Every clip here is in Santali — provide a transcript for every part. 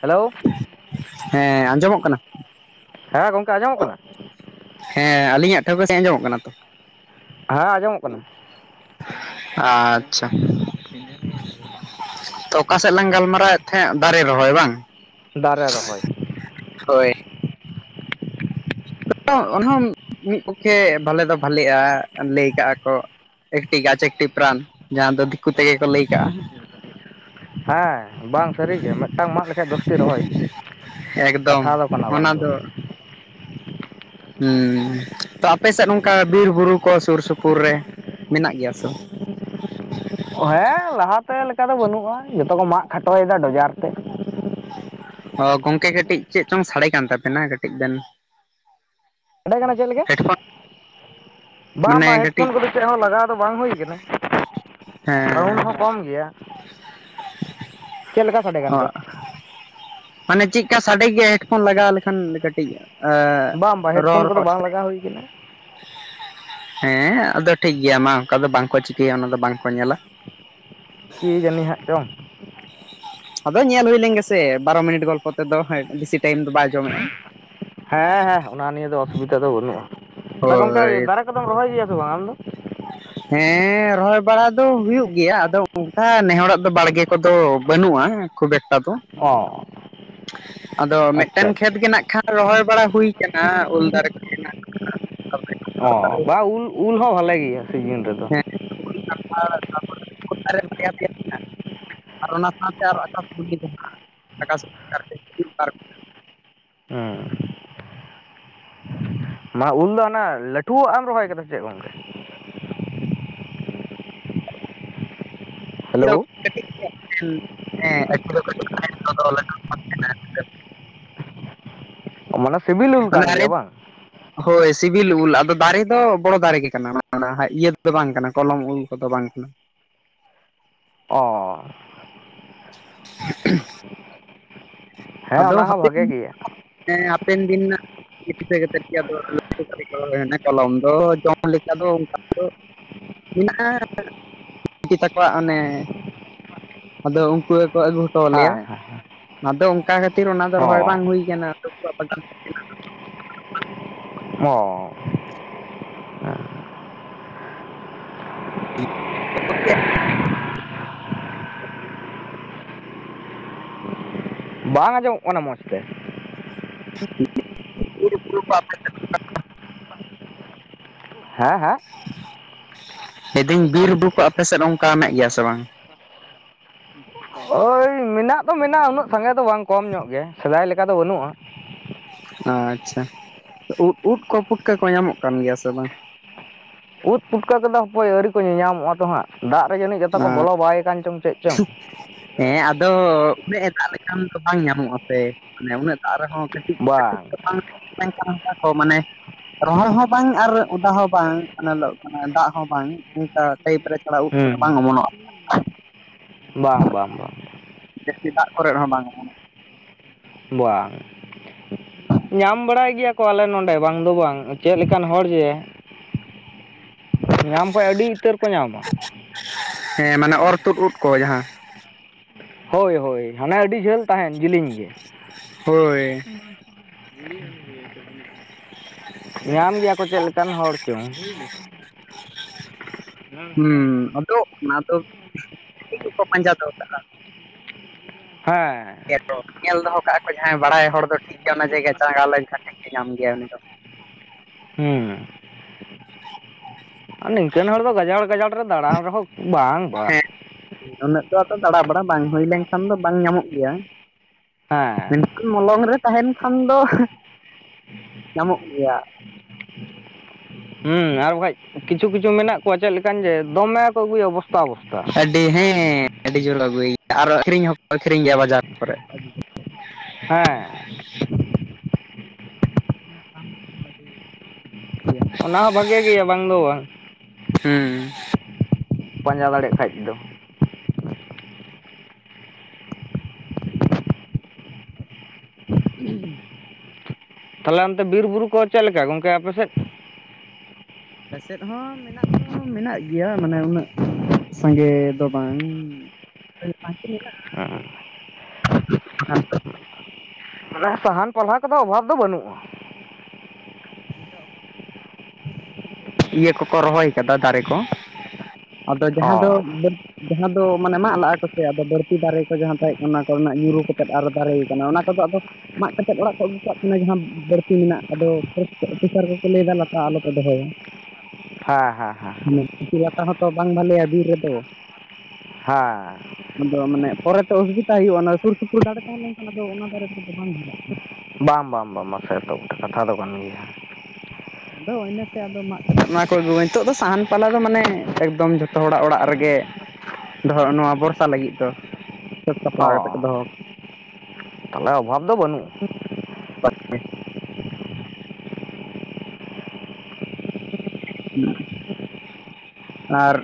ᱦᱮᱞᱳ ᱦᱮᱸ ᱟᱸᱡᱚᱢᱚᱜ ᱠᱟᱱᱟ? ᱦᱮᱸ ᱜᱚᱝᱠᱮ ᱟᱸᱡᱚᱢᱚᱜ ᱠᱟᱱᱟ᱾ ᱦᱮᱸ ᱟᱞᱤᱧᱟᱜ ᱴᱷᱟᱹᱣᱠᱟᱹ ᱥᱟᱹᱦᱤᱡ ᱟᱸᱡᱚᱢᱚᱜ ᱠᱟᱱᱟ ᱛᱚ᱾ ᱦᱮᱸ ᱟᱸᱡᱚᱢᱚᱜ ᱠᱟᱱᱟ᱾ ᱟᱪᱪᱷᱟ ᱛᱚ ᱚᱠᱟ ᱥᱮᱫ ᱞᱟᱝ ᱜᱟᱞᱢᱟᱨᱟᱣᱮᱫ ᱛᱟᱦᱮᱸᱜ ᱫᱟᱨᱮ ᱨᱚᱦᱚᱭ ᱵᱟᱝ? ᱫᱟᱨᱮ ᱨᱚᱦᱚᱭ᱾ ᱦᱳᱭ᱾ ᱚᱱᱟᱦᱚ ᱢᱤᱫ ᱛᱮ ᱵᱷᱟᱞᱮ ᱫᱚ ᱵᱷᱟᱞᱮᱜᱼᱟ ᱞᱟᱹᱭ ᱠᱟᱜᱼᱟ ᱠᱚ᱾ ᱮᱠᱴᱤ ᱜᱟᱪᱷ ᱮᱠᱴᱤ ᱯᱨᱟᱱ ᱡᱟᱦᱟᱸ ᱫᱚ ᱫᱤᱠᱩ ᱛᱮᱜᱮ ᱠᱚ ᱞᱟᱹᱭ ᱠᱟᱜᱼᱟ᱾ ᱦᱮᱸ ᱵᱟᱝ ᱥᱟᱹᱨᱤᱜᱮ ᱢᱤᱫᱴᱟᱝ ᱢᱟᱜ ᱞᱮᱠᱷᱟᱱ ᱫᱚᱥᱴᱤ ᱨᱚᱦᱚᱭ ᱮᱠᱫᱚᱢ ᱠᱟᱛᱷᱟ ᱫᱚ ᱠᱟᱱᱟ ᱵᱟᱝ ᱚᱱᱟ ᱫᱚ ᱵᱟᱝ᱾ ᱦᱮᱸ ᱛᱚ ᱟᱯᱮ ᱥᱮᱫ ᱱᱚᱝᱠᱟ ᱵᱤᱨ ᱵᱩᱨᱩ ᱠᱚ ᱥᱩᱨ ᱥᱩᱯᱩᱨ ᱨᱮ ᱢᱮᱱᱟᱜ ᱜᱮᱭᱟ ᱛᱚ? ᱦᱮᱸ ᱞᱟᱦᱟᱛᱮ ᱞᱮᱠᱟ ᱫᱚ ᱵᱟᱹᱱᱩᱜᱼᱟ ᱡᱚᱛᱚ ᱠᱚ ᱢᱟᱜ ᱠᱷᱟᱴᱚᱭᱮᱫᱟ ᱰᱚᱡᱟᱨ ᱛᱮ᱾ [unintelligible] ᱚ ᱜᱚᱝᱠᱮ ᱠᱟᱹᱴᱤᱡ ᱪᱮᱫ ᱪᱚᱝ ᱥᱟᱰᱮ ᱠᱟᱱ ᱛᱟᱯᱮᱱᱟ ᱠᱟᱹᱴᱤᱡ ᱵᱮᱱ ᱥᱟᱸᱰᱮ ᱠᱟᱱᱟ ᱪᱮᱫ ᱞᱟᱹᱜᱤᱫ ᱦᱮᱰᱯᱷᱳᱱ ᱵᱟᱝ ᱢᱟᱱᱮ ᱵᱟᱝ ᱠᱟᱹᱴᱤᱡ ᱦᱮᱰᱯᱷᱳᱱ ᱠᱚᱫᱚ ᱪᱮᱫ ᱦᱚᱸ ᱞᱟᱜᱟᱣ ᱫᱚ ᱵᱟᱝ ᱦᱩᱭ ᱠᱟᱱᱟ᱾ ᱥᱟᱣᱩᱱᱰ ᱦᱚᱸ ᱦᱮᱸ ᱠᱚᱢ ᱜᱮᱭᱟ ᱪᱮᱫ ᱞᱮᱠᱟ ᱥᱟᱰᱮ ᱠᱟᱱ ᱛᱮ᱾ ᱢᱟᱱᱮ ᱪᱮᱫᱞᱮᱠᱟ ᱥᱟᱰᱮ ᱜᱮᱭᱟ ᱦᱮᱰᱯᱷᱳᱱ ᱞᱟᱜᱟᱣ ᱞᱮᱠᱷᱟᱱ ᱠᱟᱹᱴᱤᱡ ᱦᱮᱸ ᱨᱚᱲ [unintelligible] ᱪᱮᱫᱠᱟ ᱦᱩᱭ ᱠᱟᱱᱟ? ᱦᱮᱸ ᱟᱫᱚ ᱴᱷᱤᱠ ᱜᱮᱭᱟ ᱢᱟ ᱚᱱᱠᱟ ᱫᱚ ᱵᱟᱝᱠᱚ ᱪᱤᱠᱟᱹᱭᱟ ᱚᱱᱟ ᱫᱚ ᱵᱟᱝᱠᱚ ᱧᱮᱞᱟ᱾ ᱠᱤ ᱡᱟᱹᱱᱤ ᱦᱟᱸᱜ ᱪᱚᱝ᱾ ᱟᱫᱚ ᱧᱮᱞ ᱦᱩᱭ ᱞᱮᱱ ᱜᱮᱥᱮ ᱵᱟᱨᱚ ᱢᱤᱱᱤᱴ ᱜᱚᱞᱯᱚ ᱛᱮᱫᱚ ᱵᱮᱥᱤ ᱴᱟᱭᱤᱢ ᱫᱚ ᱵᱟᱭ ᱡᱚᱢᱮᱜᱼᱟ᱾ ᱦᱮᱸ ᱦᱮᱸ ᱚᱱᱟ ᱱᱤᱭᱟᱹ ᱫᱚ ᱚᱥᱩᱵᱤᱫᱷᱟ ᱫᱚ ᱵᱟᱹᱱᱩᱜ-ᱟ ᱟᱫᱚ ᱜᱚᱢᱠᱮ ᱦᱳᱭ ᱫᱟᱨᱮ ᱠᱚᱫᱚᱢ ᱨᱚᱦᱚᱭ ᱜᱮᱭᱟ ᱥᱮ ᱵᱟᱝ ᱟᱢ ᱫᱚ᱾ [inaudible] ᱦᱮᱸ ᱨᱚᱦᱚᱭ ᱵᱟᱲᱟ ᱫᱚ ᱦᱩᱭᱩᱜ ᱜᱮᱭᱟ ᱟᱫᱚ ᱚᱱᱠᱟ ᱱᱮᱦᱚᱲᱟᱜ ᱫᱚ ᱵᱟᱲᱜᱮ ᱠᱚᱫᱚ ᱵᱟᱹᱱᱩᱜ-ᱟ᱾ ᱦᱮᱸ ᱠᱷᱩᱵ ᱮᱠᱴᱟ ᱫᱚ᱾ ᱚ ᱟᱫᱚ ᱟᱪᱪᱷᱟ ᱢᱮᱫᱴᱮᱱ ᱠᱷᱮᱛ ᱟᱪᱪᱷᱟ ᱜᱮ ᱱᱟᱜ ᱠᱷᱟᱱ ᱨᱚᱦᱚᱭ ᱵᱟᱲᱟ ᱦᱩᱭ ᱠᱟᱱᱟ ᱩᱞ ᱫᱟᱨᱮ ᱠᱚ ᱢᱮᱱᱟᱜ᱾ [unintelligible] ᱚ ᱵᱟᱝ ᱩᱞ ᱩᱞ ᱦᱚᱸ ᱵᱷᱟᱞᱮ ᱜᱮᱭᱟ ᱥᱤᱡᱤᱱ ᱨᱮᱫᱚ᱾ ᱩᱞ ᱠᱟᱱᱴᱷᱟᱲ ᱛᱟᱨᱯᱚᱨᱮ ᱩᱞ ᱫᱟᱨᱮ ᱵᱟᱨᱭᱟ ᱯᱤᱭᱟ ᱢᱮᱱᱟᱜ ᱟᱨ ᱚᱱᱟ ᱥᱟᱶᱛᱮ ᱟᱨᱦᱚᱸ [unintelligible] ᱦᱮᱸ ᱢᱟ ᱩᱞ ᱫᱚ ᱦᱟᱱᱟ ᱞᱟᱹᱴᱷᱩᱣᱟᱜ ᱮᱢ ᱨᱚᱦᱚᱭ ᱠᱟᱫᱟ ᱥᱮ ᱪᱮᱫ ᱜᱚᱢᱠᱮ? ᱤᱭᱟᱹ ᱦᱮᱞᱳ ᱠᱟᱹᱴᱤᱡ ᱜᱮᱭᱟ ᱮᱸ ᱟᱹᱴᱷᱤ ᱫᱚ ᱠᱟᱹᱴᱤᱡ ᱢᱟᱱᱮ ᱥᱤᱵᱤᱞ ᱩᱞ ᱢᱟᱱᱮ ᱠᱟᱱ ᱫᱟᱨᱮ ᱜᱮᱭᱟ ᱵᱟᱝ? ᱦᱳᱭ ᱥᱤᱵᱤᱞ ᱩᱞ ᱟᱫᱚ ᱫᱟᱨᱮ ᱫᱚ ᱵᱚᱲᱚ ᱫᱟᱨᱮ ᱜᱮ ᱠᱟᱱᱟ ᱦᱟᱸᱜ ᱤᱭᱟᱹ ᱛᱮᱫ ᱫᱚ ᱵᱟᱝ ᱠᱟᱱᱟ ᱠᱚᱞᱚᱢ ᱩᱞ᱾ ᱠᱚᱫᱚ ᱵᱟᱝ ᱠᱟᱱᱟ᱾ ᱚ [inaudible] ᱦᱮᱸ ᱟᱫᱚ ᱚᱱᱟ ᱦᱚᱸ ᱦᱟᱯᱮᱱ ᱵᱷᱟᱜᱮ ᱫᱤᱱ ᱜᱮᱭᱟ ᱫᱚ ᱦᱟᱯᱮᱱ ᱫᱤᱱ ᱨᱮᱱᱟᱜ ᱫᱤᱥᱟᱹ ᱠᱟᱛᱮ ᱜᱮ ᱟᱫᱚ ᱞᱟᱹᱴᱷᱭᱱᱟ ᱚᱱᱮ ᱠᱚᱞᱚᱢ ᱫᱚ ᱡᱚᱢ ᱞᱮᱠᱟ ᱫᱚ ᱚᱱᱠᱟ ᱫᱚ ᱢᱮᱱᱟᱜ-ᱟ ᱫᱤᱫᱤ ᱛᱟᱠᱚᱣᱟᱜ ᱚᱱᱮ ᱟᱫᱚ ᱩᱱᱠᱩ ᱜᱮᱠᱚ ᱟᱹᱜᱩ ᱦᱚᱴᱚ ᱦᱮᱸ ᱟᱞᱮᱭᱟ, ᱦᱮᱸ ᱟᱫᱚ ᱚᱱᱠᱟ ᱠᱷᱟᱹᱛᱤᱨ ᱚᱱᱟ ᱫᱚ ᱦᱮᱸ ᱨᱚᱦᱚᱭ ᱚ ᱵᱟᱝ ᱦᱩᱭ ᱠᱟᱱᱟ ᱾ [unintelligible] ᱦᱚᱸ᱾ [unintelligible] ᱵᱟᱝ ᱟᱸᱡᱚᱢᱚᱜ ᱠᱟᱱᱟ ᱢᱚᱸᱡᱽ ᱛᱮ᱾ [unintelligible] ᱦᱮᱸ ᱦᱮᱸ? ᱞᱟᱹᱭ ᱫᱤᱧ ᱵᱤᱨ-ᱵᱩᱨᱩ ᱠᱚ ᱟᱯᱮ ᱥᱮᱫ ᱚᱱᱠᱟ ᱦᱮᱱᱟᱜ ᱜᱮᱭᱟ ᱥᱮ ᱵᱟᱝ? ᱳᱭ ᱢᱮᱱᱟᱜ ᱫᱚ ᱢᱮᱱᱟᱜ-ᱟ ᱩᱱᱟᱹᱜ ᱥᱟᱸᱜᱮ ᱫᱚ ᱵᱟᱝ, ᱠᱚᱢ ᱧᱚᱜ ᱜᱮ ᱥᱮᱫᱟᱭ ᱞᱮᱠᱟ ᱫᱚ ᱵᱟᱹᱱᱩᱜ-ᱟ᱾ ᱟᱪᱪᱷᱟ᱾ ᱩᱫ ᱩᱫ ᱠᱚ ᱯᱩᱴᱠᱟᱹ ᱠᱚ ᱧᱟᱢᱚᱜ ᱠᱟᱱ ᱜᱮᱭᱟ ᱥᱮ ᱵᱟᱝ? ᱩᱫ ᱯᱩᱴᱠᱟᱹ ᱠᱚᱫᱚ ᱦᱟᱯᱳᱛ ᱟᱹᱣᱨᱤ ᱠᱚ ᱧᱮᱧ ᱧᱟᱢᱚᱜ-ᱟ ᱛᱚ ᱦᱟᱸᱜ, ᱫᱟᱜ ᱨᱮ ᱡᱟᱹᱱᱤᱡ ᱡᱷᱚᱛᱚ ᱠᱚ ᱵᱚᱞᱚ ᱵᱟᱭ ᱠᱟᱱ ᱪᱚᱝ ᱪᱮᱫ ᱪᱚᱝ᱾ ᱦᱮᱸ, ᱟᱫᱚ ᱩᱱᱟᱹᱜ ᱮ ᱫᱟᱜ ᱞᱮᱠᱷᱟᱱ ᱫᱚ ᱵᱟᱝ ᱧᱟᱢᱚᱜ-ᱟ ᱥᱮ᱾ ᱢᱟᱱᱮ ᱩᱱᱟᱹᱜ ᱫᱟᱜ ᱨᱮᱦᱚᱸ ᱠᱟᱹᱴᱤᱡ ᱵᱟᱝ᱾ ᱫᱚ ᱢᱮᱱᱠᱷᱟᱱ ᱚᱱᱟ ᱠᱚ ᱢᱟᱱᱮ ᱨᱚᱦᱚᱲ ᱦᱚᱸ ᱵᱟᱝ ᱟᱨ ᱚᱫᱟ ᱦᱚᱸ ᱵᱟᱝ ᱱᱮᱞᱚᱜ ᱠᱟᱱᱟ, ᱫᱟᱜ ᱦᱚᱸ ᱵᱟᱝ, ᱚᱱᱠᱟ ᱴᱟᱭᱤᱯ ᱨᱮ ᱪᱷᱟᱲᱟᱣ ᱠᱚᱫᱚ ᱵᱟᱝ ᱦᱩᱸ ᱚᱢᱚᱱᱚᱜ-ᱟ ᱵᱟᱝ ᱵᱟᱝ ᱵᱟᱝ ᱾ ᱡᱟᱹᱥᱛᱤ ᱫᱟᱜ ᱠᱚᱨᱮ ᱦᱚᱸ ᱵᱟᱝ ᱚᱢᱚᱱᱚᱜ-ᱟ᱾ ᱵᱟᱝ᱾ ᱧᱟᱢ ᱵᱟᱲᱟᱭ ᱜᱮᱭᱟ ᱠᱚ ᱟᱞᱮ ᱱᱚᱸᱰᱮ ᱵᱟᱝ ᱫᱚ ᱵᱟᱝ, ᱪᱮᱫ ᱞᱮᱠᱟᱱ ᱦᱚᱲ ᱡᱮ ᱧᱟᱢ ᱠᱚᱭ ᱟᱹᱰᱤ ᱩᱛᱟᱹᱨ ᱠᱚ ᱧᱟᱢᱟ᱾ ᱦᱮᱸ, ᱢᱟᱱᱮ ᱚᱨ ᱛᱩᱫ ᱩᱫ ᱠᱚ ᱡᱟᱦᱟᱸ ᱦᱳᱭ ᱦᱳᱭ, ᱦᱟᱱᱮ ᱟᱹᱰᱤ ᱡᱷᱟᱹᱞ ᱛᱟᱦᱮᱸᱱ ᱡᱮᱞᱤᱧ ᱜᱮ᱾ ᱦᱳᱭ᱾ [unintelligible] ᱧᱟᱢ ᱜᱮᱭᱟ ᱠᱚ ᱪᱮᱫ ᱞᱮᱠᱟᱱ ᱦᱚᱲ ᱪᱚᱝ? [unintelligible] ᱦᱩᱸ ᱟᱫᱚ ᱚᱱᱟ ᱫᱚ ᱪᱮᱫ ᱠᱚᱠᱚ ᱯᱟᱸᱡᱟ ᱫᱚᱦᱚ ᱠᱟᱜ-ᱟ? ᱦᱮᱸᱻ᱾ ᱟᱫᱚ ᱧᱮᱞ ᱫᱚᱦᱚ ᱠᱟᱜ-ᱟ ᱠᱚ ᱡᱟᱦᱟᱸᱭ ᱵᱟᱲᱟᱭ ᱦᱚᱲ ᱫᱚ ᱴᱷᱤᱠ ᱜᱮᱭᱟ ᱚᱱᱟ ᱡᱟᱭᱜᱟ ᱪᱟᱸᱜᱟᱣ ᱞᱮᱱᱠᱷᱟᱡ ᱴᱷᱤᱠᱮ ᱧᱟᱢ ᱜᱮᱭᱟ ᱩᱱᱤ ᱫᱚ᱾ ᱦᱩᱸ ᱟᱨ ᱱᱤᱝᱠᱟᱹᱱ ᱦᱚᱲ ᱫᱚ ᱜᱟᱡᱟᱲ ᱜᱟᱡᱟᱲ ᱨᱮ ᱫᱟᱬᱟᱱ ᱨᱮᱦᱚᱸ ᱵᱟᱝ ᱵᱟ ᱩᱱᱟᱹᱜ ᱫᱚ ᱟᱫᱚ ᱫᱟᱬᱟᱵᱟᱲᱟ ᱵᱟᱝ ᱦᱩᱭ ᱞᱮᱱᱠᱷᱟᱱ ᱫᱚ ᱵᱟᱝ ᱧᱟᱢᱚᱜ ᱜᱮᱭᱟ᱾ ᱦᱮᱸᱻ᱾ ᱢᱮᱱᱠᱷᱟᱱ ᱢᱚᱞᱚᱝ ᱨᱮ ᱛᱟᱦᱮᱱ ᱠᱷᱟᱱ ᱫᱚ ᱧᱟᱢᱚᱜ ᱜᱮᱭᱟ᱾ ᱦᱩᱸ ᱟᱨ ᱵᱟᱠᱷᱟᱡ ᱠᱤᱪᱷᱩ ᱠᱤᱪᱷᱩ ᱢᱮᱱᱟᱜ ᱠᱚᱣᱟ ᱪᱮᱫ ᱞᱮᱠᱟᱱ ᱡᱮ, ᱫᱚᱢᱮ ᱠᱚ ᱟᱹᱜᱩᱭᱟ ᱵᱚᱥᱛᱟ ᱵᱚᱥᱛᱟ᱾ ᱟᱹᱰᱤ ᱦᱮᱸ, ᱟᱹᱰᱤ ᱡᱳᱨ ᱟᱹᱜᱩᱭ ᱜᱮᱭᱟ, ᱟᱨ ᱟᱹᱠᱷᱨᱤᱧ ᱦᱚᱸᱠᱚ ᱟᱹᱠᱷᱨᱤᱧ ᱜᱮᱭᱟ ᱵᱟᱡᱟᱨ ᱠᱚᱨᱮ᱾ ᱦᱮᱸᱻ᱾ ᱥᱟᱠᱟᱢ ᱠᱚᱦᱚᱸ ᱟᱹᱰᱤ ᱜᱮᱭᱟ ᱚᱱᱟ ᱦᱚᱸ ᱵᱷᱟᱜᱮ ᱜᱮᱭᱟ ᱵᱟᱝ ᱫᱚ ᱵᱟᱝ ᱾ ᱦᱩᱸ᱾ ᱯᱟᱸᱡᱟ ᱫᱟᱲᱮᱭᱟᱜ ᱠᱷᱟᱡ ᱫᱚ᱾ ᱛᱟᱦᱚᱞᱮ ᱚᱱᱛᱮ ᱵᱤᱨ-ᱵᱩᱨᱩ ᱠᱚ ᱪᱮᱫ ᱞᱮᱠᱟ ᱜᱚᱝᱠᱮ ᱟᱯᱮ ᱥᱮᱫ? ᱟᱞᱮᱥᱮᱫ ᱦᱚᱸ ᱢᱮᱱᱟᱜ ᱫᱚ ᱢᱮᱱᱟᱜ ᱜᱮᱭᱟ ᱢᱟᱱᱮ ᱩᱱᱟᱹᱜ ᱥᱟᱸᱜᱮ ᱫᱚ ᱵᱟᱝ ᱥᱟᱸᱜᱮ ᱢᱮᱱᱟᱜᱼᱟ᱾ [unintelligible] ᱥᱟᱦᱟᱱ ᱯᱟᱞᱦᱟ ᱠᱚᱫᱚ ᱚᱵᱷᱟᱵᱽ ᱫᱚ ᱵᱟᱹᱱᱩᱜᱼᱟ᱾ ᱤᱭᱟᱹ ᱠᱚᱠᱚ ᱨᱚᱦᱚᱭ ᱠᱟᱫᱟ ᱫᱟᱨᱮ ᱠᱚ᱾ ᱟᱫᱚ ᱡᱟᱦᱟ ᱫᱚ ᱚ ᱡᱟᱦᱟᱸ ᱫᱚ ᱢᱟᱱᱮ ᱢᱟᱜ ᱞᱟᱜᱼᱟ ᱠᱚᱥᱮ ᱟᱫᱚ ᱵᱟᱹᱲᱛᱤ ᱫᱟᱨᱮ ᱠᱚ ᱡᱟᱦᱟᱸ ᱛᱟᱦᱮᱸ ᱠᱟᱱᱟ ᱚᱱᱟ ᱠᱚᱨᱮᱱᱟᱜ ᱧᱩᱨᱩ ᱠᱟᱛᱮᱮᱫ ᱟᱨᱚ ᱫᱟᱨᱮ ᱠᱟᱱᱟ ᱚᱱᱟ ᱠᱚᱫᱚ ᱟᱫᱚ ᱢᱟᱜ ᱠᱟᱛᱮᱫ ᱚᱲᱟᱜ ᱠᱚ ᱟᱹᱜᱩ ᱠᱟᱜ ᱠᱟᱱᱟ ᱡᱟᱦᱟᱸ ᱵᱟᱹᱲᱛᱤ ᱢᱮᱱᱟᱜ ᱟᱫᱚ ᱚᱯᱷᱤᱥᱟᱨ ᱠᱚᱠᱚ ᱞᱟᱹᱭᱮᱫᱫᱟ ᱞᱟᱛᱟ ᱟᱞᱚ ᱠᱚ ᱫᱚᱦᱚᱭᱟ᱾ ᱦᱮᱸ ᱦᱮᱸ ᱦᱮᱸ᱾ ᱠᱩᱥᱤ ᱵᱟᱛᱟ ᱦᱚᱸᱛᱚ ᱵᱟᱝ ᱵᱷᱟᱞᱮᱭᱟ ᱵᱤᱨ ᱨᱮᱫᱚ᱾ ᱦᱮᱸ᱾ ᱟᱫᱚ ᱢᱟᱱᱮ ᱯᱚᱨᱮᱛᱮ ᱚᱥᱩᱵᱤᱫᱟ ᱦᱩᱭᱩᱜᱼᱟ ᱚᱱᱟ ᱥᱩᱨ ᱥᱩᱯᱩᱨ ᱫᱟᱨᱮ ᱛᱟᱦᱮᱸ ᱞᱮᱱᱠᱷᱟᱱ ᱟᱫᱚ ᱚᱱᱟ ᱫᱟᱨᱮ ᱛᱮᱫᱚ ᱵᱟᱝ ᱦᱟᱨᱟᱜ ᱠᱟᱱᱟ᱾ ᱵᱟᱝ ᱵᱟᱝ ᱵᱟᱝ ᱢᱟᱥᱮ ᱮᱛ ᱵᱚᱴᱷᱮ ᱠᱟᱛᱷᱟ ᱫᱚ ᱠᱟᱱ ᱜᱮᱭᱟ᱾ [inaudible] ᱟᱫᱚ ᱤᱱᱟᱹᱛᱮ ᱟᱫᱚ ᱚᱱᱟ ᱠᱚ ᱟᱹᱜᱩ ᱱᱤᱛᱚᱜ ᱫᱚ ᱥᱟᱦᱟᱱ ᱯᱟᱞᱟ ᱫᱚ ᱢᱟᱱᱮ ᱮᱠᱫᱚᱢ ᱡᱚᱛᱚ ᱦᱚᱲᱟᱜ ᱚᱲᱟᱜ ᱨᱮᱜᱮ ᱫᱚᱦᱚ ᱱᱚᱣᱟ ᱵᱚᱨᱥᱟ ᱞᱟᱹᱜᱤᱫ ᱫᱚ ᱥᱟᱹᱛ ᱥᱟᱯᱲᱟᱣ ᱠᱟᱛᱮ ᱠᱚ ᱚ ᱫᱚᱦᱚ ᱛᱟᱦᱚᱞᱮ ᱚᱵᱷᱟᱵ ᱫᱚ ᱵᱟᱹᱱᱩᱜ᱾ ᱦᱮᱸ ᱟᱨ!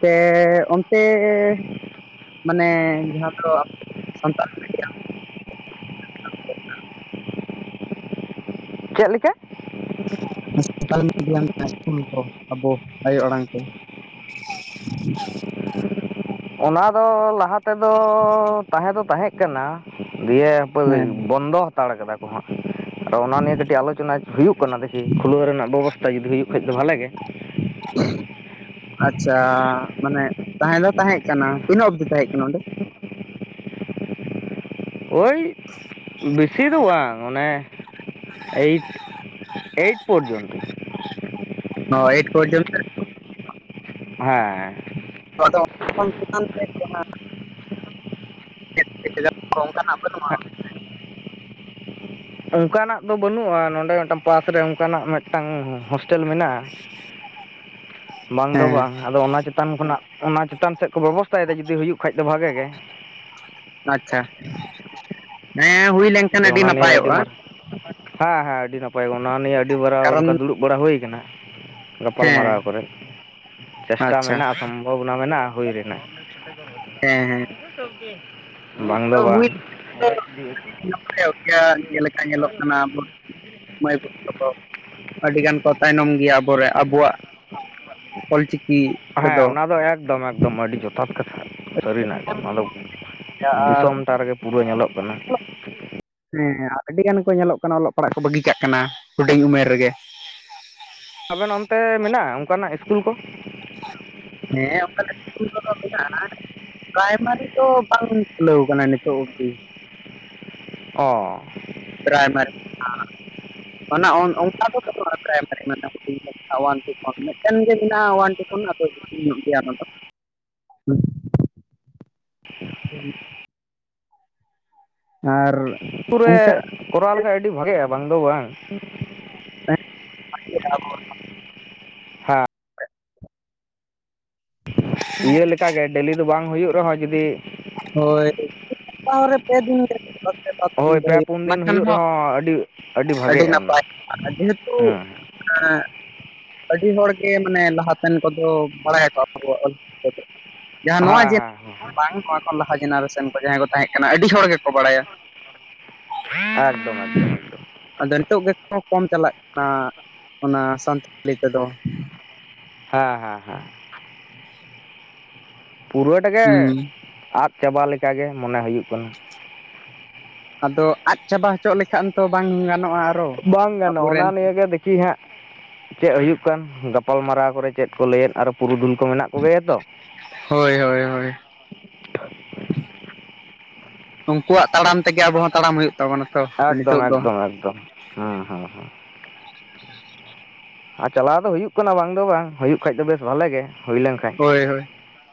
ᱛᱮ ᱚᱱᱛᱮ ᱢᱟᱱᱮ ᱡᱟᱦᱟᱸ ᱫᱚ ᱟᱵᱚ ᱥᱟᱱᱛᱟᱲ [unintelligible] ᱪᱮᱫ ᱞᱮᱠᱟ? ᱥᱟᱱᱛᱟᱞᱤ ᱢᱤᱰᱤᱭᱟᱢ ᱨᱮᱱᱟᱜ ᱤᱥᱠᱩᱞ ᱠᱚ ᱟᱵᱚ ᱟᱭᱳ ᱟᱲᱟᱝ ᱛᱮ᱾ [inaudible] ᱚᱱᱟ ᱫᱚ ᱞᱟᱦᱟ ᱛᱮᱫᱚ ᱛᱟᱦᱮᱸ ᱫᱚ ᱛᱟᱦᱮᱸᱠᱟᱱᱟ ᱫᱤᱭᱮ ᱦᱮᱸ ᱵᱚᱱᱫᱚ ᱦᱟᱛᱟᱲ ᱠᱟᱫᱟ ᱠᱚ ᱦᱟᱸᱜ᱾ ᱟᱨᱚ ᱚᱱᱟ ᱱᱤᱭᱮ ᱠᱟᱹᱴᱤᱡ ᱟᱞᱳᱪᱚᱱᱟ ᱦᱩᱭᱩᱜ ᱠᱟᱱᱟ ᱫᱠᱷᱤ ᱠᱷᱩᱞᱟᱹᱣ ᱨᱮᱱᱟᱜ ᱵᱮᱵᱚᱥᱛᱛᱟ ᱡᱩᱫᱤ ᱦᱩᱭᱩᱜ ᱠᱷᱟ ᱫᱚ ᱵᱷᱟᱞᱮ ᱜᱮ᱾ [inaudible] ᱟᱪᱪᱷᱟ ᱢᱟᱱᱮ ᱛᱟᱦᱮᱸ ᱫᱚ ᱛᱟᱦᱮᱸ ᱠᱟᱱᱟ ᱛᱤᱱᱟᱹᱜ ᱚᱵᱫᱤ ᱛᱟᱦᱮᱸ ᱠᱟᱱᱟ ᱚᱸᱰᱮ? ᱳᱭ ᱵᱮᱥᱤ ᱫᱚ ᱵᱟᱝ ᱚᱱᱮ ᱮᱭᱤᱴ ᱮᱭᱤᱴ ᱯᱚᱨᱡᱚᱱᱛᱚ᱾ ᱚᱻ ᱮᱭᱤᱴ ᱯᱚᱨᱡ ᱦᱮᱸᱮ᱾ [unintelligible] [unintelligible] ᱚᱱᱠᱟᱱᱟᱜ ᱫᱚ ᱵᱟᱹᱱᱩᱜᱼᱟ ᱱᱚᱰᱮ ᱢᱤᱫᱴᱟᱝ ᱯᱟᱥ ᱨᱮ ᱚᱱᱠᱟᱱᱟᱜ ᱢᱤᱫᱴᱟᱝ ᱦᱳᱥᱴᱮᱞ ᱢᱮᱱᱟᱜᱼᱟ᱾ [inaudible] ᱵᱟᱝ ᱫᱚ ᱦᱮᱸ ᱵᱟᱝ ᱟᱫᱚ ᱚᱱᱟ ᱪᱮᱛ ᱪᱮᱛᱟᱱ ᱠᱷᱚᱱᱟᱜ ᱚᱱᱟ ᱪᱮᱛᱟᱱ ᱥᱮᱫ ᱠᱚ ᱵᱮᱵᱚᱥᱛᱟᱭᱫᱟ ᱡᱩᱫᱤ ᱦᱩᱭᱩᱜ ᱠᱷᱟᱡ ᱫᱚ ᱵᱷᱟᱜᱮ ᱜᱮ᱾ ᱟᱪᱪᱷᱟ ᱦᱮᱸ ᱦᱩᱭ ᱡᱮ ᱞᱮᱱᱠᱷᱟᱱ ᱟᱹᱰᱤ ᱚᱱᱟ ᱱᱤᱭᱟᱹ ᱱᱟᱯᱟᱭᱚᱜᱼᱟ᱾ ᱢᱟᱨᱟᱝ ᱦᱮᱸ ᱦᱮᱸ ᱟᱹᱰᱤ ᱱᱟᱯᱟᱭ ᱚᱱᱟ ᱱᱤᱭᱮ ᱟᱹᱰᱤᱵᱟᱨᱟ ᱠᱟᱨᱚᱱ ᱚᱱᱠᱟ ᱫᱩᱲᱩᱵ ᱵᱟᱲᱟ ᱦᱩᱭ ᱠᱟᱱᱟ, ᱜᱟᱯᱟᱞ ᱢᱟᱨᱟᱣ ᱦᱮᱸ ᱠᱚᱨᱮᱫ ᱪᱮᱥᱴᱟ ᱟᱪᱪᱷᱟ ᱢᱮᱱᱟᱜᱼᱟ ᱥᱚᱢᱵᱷᱚᱵᱚᱱᱟ ᱢᱮᱱᱟᱜᱼᱟ ᱦᱩᱭ ᱨᱮᱱᱟᱜ᱾ ᱦᱮᱸ ᱦᱮᱸ᱾ ᱵᱟᱝ ᱫᱚ ᱵᱟᱝ᱾ [unintelligible] ᱪᱮᱫ ᱞᱮᱠᱟ ᱧᱮᱞᱚᱜ ᱠᱟᱱᱟ ᱢᱟᱹᱭ ᱵᱟᱹᱛᱩ ᱛᱟᱠᱚ ᱟᱹᱰᱤᱜᱟᱱ ᱠᱚ ᱛᱟᱭᱱᱚᱢ ᱜᱮᱭᱟ ᱟᱵᱚᱨᱮ ᱟᱵᱚᱣᱟᱜ, ᱚᱞᱪᱤᱠᱤ, ᱦᱮᱸ ᱛᱮᱫᱚ ᱚᱱᱟ ᱫᱚ ᱮᱠᱫᱚᱢ ᱮᱠᱫᱚᱢ ᱟᱹᱰᱤ ᱡᱚᱛ ᱛᱷᱟᱛ ᱠᱟᱛᱷᱟ ᱥᱟᱹᱨᱤᱱᱟᱜ ᱜᱮ ᱱᱚᱣᱟ ᱫᱚ ᱟᱨ ᱫᱤᱥᱚᱢ ᱴᱟᱜ ᱨᱮᱜᱮ ᱯᱩᱨᱟᱹ ᱧᱮᱞᱚᱜ ᱠᱟᱱᱟ ᱾ ᱦᱮᱸ ᱟᱹᱰᱤ ᱜᱟᱱ ᱠᱚ ᱧᱮᱞᱚᱜ ᱠᱟᱱᱟ ᱚᱞᱚᱜ ᱯᱟᱲᱦᱟᱜ ᱠᱚ ᱵᱟᱹᱜᱤ ᱠᱟᱜ ᱠᱟᱱᱟ ᱦᱩᱰᱤᱧ ᱩᱢᱮᱨ ᱨᱮᱜᱮ ᱾ ᱟᱵᱮᱱ ᱚᱱᱛᱮ ᱢᱮᱱᱟᱜᱼᱟ ᱚᱱᱠᱟᱱᱟᱜ ᱤᱥᱠᱩᱞ ᱠᱚ ᱾ ᱦᱮᱸ ᱚᱱᱠᱟᱱᱟᱜ ᱤᱥᱠᱩᱞ ᱠᱚᱫᱚ ᱢᱮᱱᱟᱜ-ᱟ ᱾ ᱯᱨᱟᱭᱢᱟᱨᱤ ᱫᱚ ᱵᱟᱝ ᱠᱷᱩᱞᱟᱹᱣ ᱠᱟᱱᱟ ᱱᱤᱛᱚᱜ ᱚᱵᱫᱤ ᱾ ᱚ ᱯᱨᱟᱭᱢᱟᱨᱤ, ᱚᱱᱟ ᱚᱱ ᱚᱱᱠᱟ ᱫᱚ ᱵᱟᱹᱱᱩᱜ-ᱟ ᱯᱨᱟᱭᱢᱟᱨᱤ ᱢᱟᱱᱮ ᱦᱩᱰᱤᱧ ᱳᱣᱟᱱ ᱴᱩ ᱠᱷᱚᱱ ᱢᱤᱫᱴᱮᱱ ᱜᱮ ᱢᱮᱱᱟᱜᱼᱟ ᱳᱣᱟᱱ ᱴᱩ ᱠᱷᱚᱱ ᱟᱫᱚ, [unintelligible] ᱟᱨ, ᱟᱛᱩ ᱨᱮ ᱚᱱᱠᱟ ᱠᱚᱨᱟᱣ ᱞᱮᱠᱷᱟᱡ ᱟᱹᱰᱤ ᱵᱷᱟᱜᱮᱼᱟ ᱵᱟᱝ ᱫᱚ ᱵᱟᱝ ᱾ [unintelligible] ᱦᱮᱸ ᱤᱭᱟᱹ ᱞᱮᱠᱟᱜᱮ ᱰᱮᱞᱤ ᱫᱚ ᱵᱟᱝ ᱦᱩᱭᱩᱜ ᱨᱮᱦᱚᱸ ᱡᱩᱫᱤ, ᱦᱳᱭ ᱥᱩᱯᱛᱟᱨᱮ ᱯᱮ ᱫᱤᱱ ᱠᱟᱛᱮᱜ ᱳᱭ ᱯᱮ [unintelligible] ᱯᱩᱱ ᱚᱱᱟ ᱫᱤᱱ ᱠᱷᱟᱱ ᱦᱩᱭᱩᱜ ᱦᱚᱸ ᱨᱮᱦᱚᱸ ᱟᱹᱰᱤ ᱟᱹᱰᱤ ᱵᱷᱟᱜᱮᱜᱼᱟ ᱚᱱᱟ ᱱᱟᱯᱟᱭ ᱡᱮᱦᱮᱛᱩ, ᱦᱮᱸ [unintelligible] ᱟᱹᱰᱤ ᱦᱚᱲ ᱜᱮ ᱢᱟᱱᱮ ᱞᱟᱦᱟ ᱛᱮᱱ ᱠᱚᱫᱚ ᱵᱟᱲᱟᱭ ᱟᱠᱚ ᱟᱵᱚᱭᱟᱜ ᱚᱞᱪᱤᱠᱤ ᱠᱚᱫᱚ ᱾ ᱡᱟᱦᱟᱸ ᱱᱚᱣᱟ ᱦᱮᱸ ᱦᱮᱸ [inaudible] ᱵᱟᱝ ᱱᱚᱣᱟ ᱠᱷᱚᱱ ᱞᱟᱦᱟ ᱡᱮᱱᱟᱨᱮᱥᱮᱱ ᱠᱚ ᱡᱟᱦᱟᱸᱭ ᱠᱚ ᱛᱟᱦᱮᱸ ᱠᱟᱱᱟ ᱟᱹᱰᱤ ᱦᱚᱲ ᱜᱮᱠᱚ ᱵᱟᱲᱟᱭᱟ ᱾ ᱮᱠᱫᱚᱢ ᱮᱠᱫᱚᱢ ᱮᱠᱫᱚᱢ, ᱟᱫᱚ ᱱᱤᱛᱚᱜ ᱜᱮᱠᱚ ᱠᱚᱢ ᱪᱟᱞᱟᱜ ᱠᱟᱱᱟ ᱚᱱᱟ ᱥᱟᱱᱛᱟᱞᱤ ᱛᱮᱫᱚ? ᱦᱮᱸ ᱦᱮᱸ ᱦᱮᱸ ᱯᱩᱨᱟᱹᱴᱟᱜᱮ ᱦᱩᱸ ᱟᱫ ᱪᱟᱵᱟ ᱞᱮᱠᱟ ᱜᱮ ᱢᱚᱱᱮ ᱦᱩᱭᱩᱜ ᱠᱟᱱᱟ ᱾ ᱟᱫᱚ ᱟᱫ ᱪᱟᱵᱟ ᱦᱚᱪᱚ ᱞᱮᱠᱷᱟᱱ ᱛᱚ ᱵᱟᱝ ᱜᱟᱱᱚᱜᱼᱟ ᱾ ᱵᱟᱝ ᱜᱟᱱᱚᱜᱼᱟ ᱚᱱᱟ ᱱᱤᱭᱟᱹᱜᱮ ᱫᱮᱠᱷᱤ ᱦᱟᱸᱜ ᱪᱮᱫ ᱦᱩᱭᱩᱜ ᱠᱟᱱ ᱜᱟᱯᱟᱞᱢᱟᱨᱟᱣ ᱠᱚᱨᱮ ᱪᱮᱫ ᱠᱚ ᱞᱟᱹᱭᱮᱫ ᱟᱨᱚ ᱯᱩᱨᱩᱫᱷᱩᱞ ᱠᱚ ᱢᱮᱱᱟᱜ ᱠᱚᱜᱮᱭᱟ ᱛᱚ? ᱦᱳᱭ ᱦᱳᱭ ᱦᱳᱭ ᱩᱱᱠᱩᱣᱟᱜ ᱛᱟᱲᱟᱢ ᱛᱮᱜᱮ ᱟᱵᱚ ᱦᱚᱸ ᱛᱟᱲᱟᱢ ᱦᱩᱭᱩᱜ ᱛᱟᱵᱚᱱᱟ ᱛᱚ ᱮᱠᱫᱚᱢ ᱱᱤᱛᱚᱜ ᱫᱚ ᱮᱠᱫᱚᱢ ᱮᱠᱫᱚᱢ ᱦᱩᱸ ᱦᱩᱸ ᱦᱩᱸ ᱾ ᱟᱨ ᱪᱟᱞᱟᱣ ᱫᱚ ᱦᱩᱭᱩᱜ ᱠᱟᱱᱟ ᱵᱟᱝ ᱫᱚ ᱵᱟᱝ ᱦᱩᱭᱩᱜ ᱠᱷᱟᱡ ᱫᱚ ᱵᱮᱥ ᱵᱷᱟᱞᱮ ᱜᱮ ᱾ ᱦᱩᱭ ᱞᱮᱱ ᱠᱷᱟᱠ ᱦᱳᱭ ᱦᱳᱭ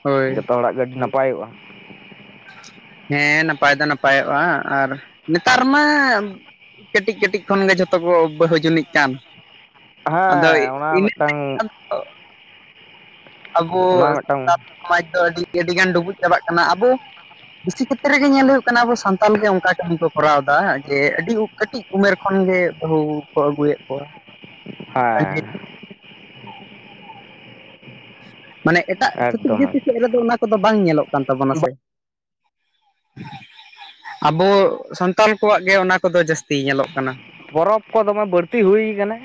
ᱦᱳᱭ ᱡᱚᱛᱚ ᱦᱚᱲᱟᱜ ᱜᱮ ᱜᱟᱹᱰᱤ ᱱᱟᱯᱟᱭᱚᱜᱼᱟ ᱾ ᱦᱮᱸ ᱱᱟᱯᱟᱭ ᱫᱚ ᱱᱟᱯᱟᱭᱚᱜᱼᱟ ᱟᱨ ᱱᱮᱛᱟᱨ ᱢᱟ ᱠᱟᱹᱴᱤᱡ ᱠᱟᱹᱴᱤᱡ ᱠᱷᱚᱱᱜᱮ ᱡᱷᱚᱛᱚ ᱠᱚ ᱵᱟᱹᱦᱩ ᱡᱩᱱᱤᱡ ᱠᱟᱱ ᱟᱫᱚ ᱦᱮᱸ ᱚᱱᱟ ᱤᱱᱟᱹᱜ ᱠᱟᱴᱤᱡ ᱢᱤᱫᱴᱟᱝ ᱠᱷᱚᱱ ᱫᱚ ᱟᱵᱚ ᱚᱱᱟ ᱢᱤᱫᱴᱟᱝ ᱥᱟᱱᱛᱟᱲ ᱥᱚᱢᱟᱡᱽ ᱫᱚ ᱟᱹᱰᱤ ᱟᱹᱰᱤᱜᱟᱱ ᱰᱩᱵᱩᱡ ᱪᱟᱵᱟᱜ ᱠᱟᱱᱟ ᱟᱵᱚ ᱵᱮᱥᱤ ᱠᱷᱮᱛᱨᱮ ᱨᱮᱜᱮ ᱧᱮᱞ ᱦᱩᱭᱩᱜ ᱠᱟᱱᱟ ᱟᱵᱚ ᱥᱟᱱᱛᱟᱞ ᱜᱮ ᱚᱱᱠᱟ ᱠᱟᱹᱢᱤ ᱠᱚ ᱠᱚᱨᱟᱣ ᱮᱫᱟ ᱡᱮ ᱟᱹᱰᱤ ᱠᱟᱹᱴᱤᱡ ᱩᱢᱮᱨ ᱠᱷᱚᱱ ᱜᱮ ᱵᱟᱹᱦᱩ ᱠᱚ ᱟᱹᱜᱩᱭᱮᱫ ᱠᱚᱣᱟ᱾ ᱦᱮᱸ, ᱢᱟᱱᱮ ᱮᱴᱟᱜ ᱪᱷᱟᱹᱛᱤᱠ ᱮᱠᱫᱚᱢ ᱡᱟᱹᱛᱤ ᱥᱮᱫ ᱮᱠᱫᱚᱢ ᱨᱮᱫᱚ ᱚᱱᱟ ᱠᱚᱫᱚ ᱵᱟᱝ ᱧᱮᱞᱚᱜ ᱠᱟᱱ ᱛᱟᱵᱚᱱᱟ ᱥᱮ᱾ ᱟᱵᱚ ᱥᱟᱱᱛᱟᱞ ᱠᱚᱣᱟᱜ ᱜᱮ ᱚᱱᱟ ᱠᱚᱫᱚ ᱡᱟᱹᱥᱛᱤ ᱧᱮᱞᱚᱜ ᱠᱟᱱᱟ᱾ ᱯᱚᱨᱚᱵᱽ ᱠᱚ ᱫᱚᱢᱮ ᱵᱟᱹᱲᱛᱤ ᱦᱩᱭ ᱟᱠᱟᱱᱟ᱾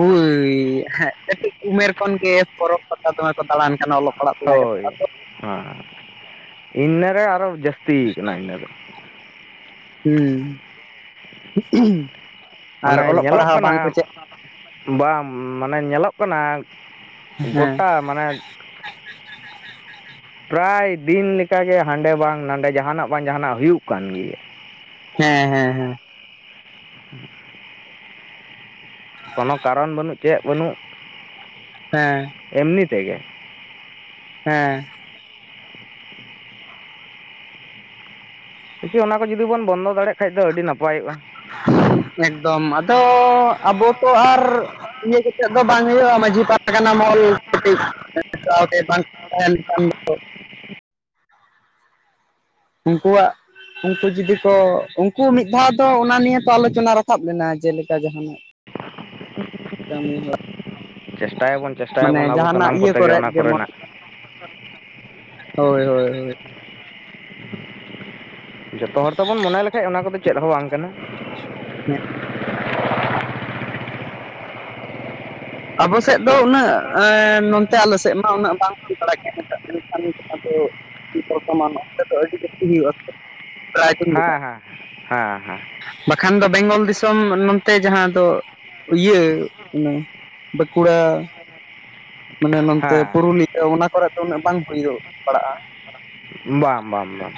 ᱦᱳᱭ ᱦᱮᱸ ᱠᱟᱹᱴᱤᱡ ᱩᱢᱮᱨ ᱠᱷᱚᱱ ᱜᱮ ᱯᱚᱨᱚᱵᱽ ᱯᱟᱛᱟ ᱫᱚᱢᱮ ᱠᱚ ᱫᱟᱬᱟᱱ ᱠᱟᱱᱟ ᱚᱞᱚᱜ ᱯᱟᱲᱦᱟᱜ ᱥᱮᱬᱟ ᱠᱟᱛᱮᱫ ᱦᱳᱭ, ᱟᱫᱚ ᱦᱮᱸ ᱤᱱᱱᱟᱹᱨᱮ ᱟᱨᱚ ᱡᱟᱹᱥᱛᱠ ᱟᱠᱟᱱᱟ ᱤᱱᱟᱹᱫᱚ᱾ ᱦᱩᱸ ᱟᱨ ᱢᱟᱱᱮ ᱚᱞᱚᱜ ᱧᱮᱞᱚᱜ ᱯᱟᱲᱦᱟᱣ ᱵᱟᱝᱠᱚ ᱠᱟᱱᱟ ᱪᱮᱫ ᱵᱟᱝ ᱢᱟᱱᱮ ᱧᱮᱞᱚᱜ ᱠᱟᱱᱟ ᱦᱮᱸ ᱜᱳᱴᱟ ᱢᱟᱱᱮ [inaudible] ᱯᱨᱟᱭ ᱫᱤᱱ ᱞᱮᱠᱟᱜᱮ ᱦᱟᱸᱰᱮ ᱵᱟᱝ ᱱᱟᱸᱰᱮ ᱡᱟᱦᱟᱱᱟᱜ ᱵᱟᱝ ᱡᱟᱦᱟᱱᱟᱜ ᱦᱩᱭᱩᱜ ᱠᱟᱱ ᱜᱮᱭᱟ᱾ ᱦᱮᱸ ᱦᱮᱸ ᱦᱮᱸ᱾ [unintelligible] ᱠᱳᱱᱳ ᱠᱟᱨᱚᱱ ᱵᱟᱹᱱᱩᱜ ᱪᱮᱫ ᱵᱟᱹᱱᱩᱜ ᱦᱮᱸ᱾ ᱮᱢᱱᱤ ᱛᱮ ᱜᱮ᱾ ᱦᱮᱸ᱾ ᱠᱤᱪᱷᱩ ᱚᱱᱟ ᱠᱚ ᱡᱩᱫᱤ ᱵᱚᱱ ᱵᱚᱱᱫᱚ ᱫᱟᱲᱮᱭᱟᱜ ᱠᱷᱟᱡ ᱫᱚ ᱟᱹᱰᱤ ᱱᱟᱯᱟᱭᱚᱜᱼᱟ᱾ ᱮᱠᱫᱚᱢ ᱟᱫᱚ ᱟᱵᱚ ᱛᱚ ᱟᱨ ᱤᱭᱟᱹ ᱠᱟᱛᱮᱫ ᱫᱚ ᱵᱟᱝ ᱦᱩᱭᱩᱜᱼᱟ, ᱢᱟᱺᱡᱷᱤ ᱯᱟᱨᱜᱟᱱᱟ ᱢᱚᱦᱚᱞ ᱠᱟᱹᱴᱤᱡ [inaudible] ᱵᱟᱝ [unintelligible] ᱩᱱᱠᱩᱣᱟᱜ ᱩᱱᱠᱩ ᱡᱩᱫᱤ ᱠᱚ ᱩᱱᱠᱩ ᱢᱤᱫ ᱫᱷᱟᱣ ᱫᱚ ᱚᱱᱟ ᱱᱤᱭᱮ ᱛᱚ ᱟᱞᱳᱪᱚᱱᱟ ᱨᱟᱠᱟᱵ ᱞᱮᱱᱟ, ᱡᱮᱞᱮᱠᱟ ᱡᱟᱦᱟᱱᱟᱜ ᱠᱟᱹᱢᱤ ᱦᱚ ᱪᱮᱥᱴᱟᱭᱟᱵᱚᱱ ᱪᱮᱥᱴᱟᱭᱟᱵᱚᱱ ᱟᱵᱚ ᱥᱟᱱᱟᱢ ᱠᱚ ᱤᱭᱟᱹ ᱛᱮᱜᱮ ᱠᱚᱨᱮᱫ ᱚᱱᱟ ᱡᱮᱢᱚᱱ ᱠᱚᱨᱮᱱᱟᱜ ᱦᱳᱭ ᱦᱳᱭ ᱦᱳᱭ᱾ ᱡᱚᱛᱚ ᱦᱚᱲ ᱛᱮᱵᱚᱱ ᱢᱚᱱᱮ ᱞᱮᱠᱟᱡ ᱚᱱᱟ ᱠᱚᱫᱚ ᱪᱮᱫ ᱦᱚᱸ ᱵᱟᱝ ᱠᱟᱱᱟ᱾ ᱟᱵᱚ ᱥᱮᱫ ᱫᱚ ᱦᱮᱸ ᱩᱱᱟᱹᱜ ᱮᱸ ᱱᱚᱱᱛᱮ ᱟᱞᱮ ᱥᱮᱫ ᱢᱟ ᱩᱱᱟᱹᱜ ᱵᱟᱝ ᱦᱩᱭ ᱵᱟᱲᱟᱜ ᱜᱮᱭᱟ᱾ [inaudible] ᱠᱷᱟᱱ ᱫᱚ ᱵᱚᱨᱛᱚᱢᱟᱱ ᱫᱚ ᱟᱹᱰᱤ ᱡᱟᱥᱛᱤ ᱦᱩᱭᱩᱜᱼᱟ ᱥᱮ? ᱯᱨᱟᱭ ᱫᱤᱱ ᱞᱮᱠᱟ᱾ ᱦᱮᱸ ᱦᱮᱸ ᱦᱮᱸ ᱵᱟᱠᱷᱟᱱ ᱫᱚ ᱵᱮᱝᱜᱚᱞ ᱫᱤᱥᱚᱢ ᱱᱚᱛᱮ ᱡᱟᱦᱟᱸ ᱫᱚ ᱤᱭᱟᱹ ᱚᱱᱟ ᱵᱟᱸᱠᱩᱲᱟ ᱢᱟᱱᱮ ᱱᱚᱱᱛᱮ ᱦᱮᱸ ᱯᱩᱨᱩᱞᱤᱭᱟᱹ ᱚᱱᱟ ᱠᱚᱨᱮ ᱫᱚ ᱩᱱᱟᱹᱜ ᱵᱟᱝ ᱦᱩᱭᱩᱜ ᱵᱟᱲᱟᱜᱼᱟ᱾ ᱵᱟᱝ ᱵᱟᱝ ᱵᱟᱝ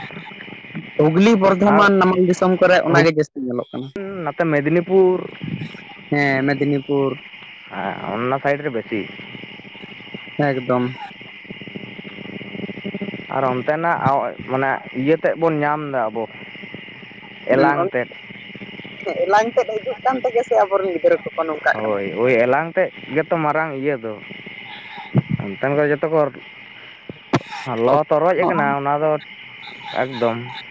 ᱦᱩᱜᱽᱞᱤ, ᱟᱨ ᱵᱚᱨᱫᱷᱚᱢᱟᱱ ᱱᱟᱢᱟᱞ ᱫᱤᱥᱚᱢ ᱠᱚᱨᱮ ᱚᱱᱟ ᱜᱮ ᱡᱟᱹᱥᱛᱤ ᱧᱮᱞᱚᱜ ᱠᱟᱱᱟ᱾ ᱱᱟᱛᱮ ᱢᱮᱫᱱᱤᱯᱤᱨ ᱦᱮᱸ ᱢᱮᱫᱽᱱᱤᱯᱩᱨ᱾ ᱦᱮᱸ ᱚᱱᱟ ᱥᱟᱭᱤᱰ ᱨᱮ ᱵᱮᱥᱤ ᱮᱠᱫᱚᱢ᱾ ᱟᱨ ᱚᱱᱛᱮᱱᱟᱜ ᱢᱟᱱᱮ ᱤᱭᱟᱹ ᱛᱮᱫ ᱵᱚᱱ ᱧᱟᱢ ᱫᱟ ᱟᱵᱚ, ᱮᱞᱟᱝ ᱛᱮᱫ᱾ ᱦᱮᱸ ᱮᱞᱟᱝ ᱛᱮᱫ ᱦᱤᱡᱩᱜ ᱠᱟᱱ ᱛᱮᱜᱮ ᱥᱮ ᱟᱵᱚᱨᱮᱱ ᱜᱤᱫᱽᱨᱟᱹ ᱠᱚ ᱦᱳᱭ᱾ ᱳᱭ ᱮᱞᱟᱝ ᱛᱮᱫ ᱜᱮᱛᱚ ᱢᱟᱨᱟᱝ ᱤᱭᱟᱹ ᱫᱚ, ᱚᱱᱛᱮᱱ ᱠᱚ ᱡᱚᱛᱚ ᱠᱚ ᱚᱨ ᱞᱚ ᱛᱚᱨᱚᱡ ᱱᱚᱜᱼᱚ ᱟᱠᱟᱱᱟ, ᱚᱱᱟ ᱫᱚ ᱮᱠᱫᱚᱢ᱾